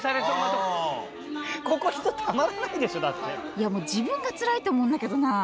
いやもう自分がつらいと思うんだけどなぁ。